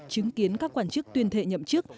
chứng kiến các quản chức tuyên thệ nhậm chức